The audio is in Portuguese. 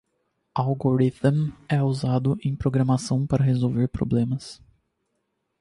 Algorithm é usado em programação para resolver problemas.